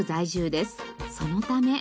そのため。